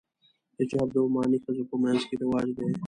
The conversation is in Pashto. حجاب د عماني ښځو په منځ کې رواج دی.